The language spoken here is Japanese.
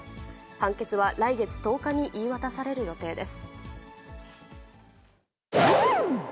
判決は来月１０日に言い渡される予定です。